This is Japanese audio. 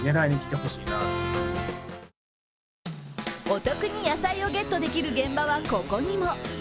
お得に野菜をゲットできる現場はここにも。